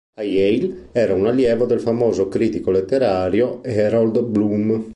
A Yale, era un allievo del famoso critico letterario Harold Bloom.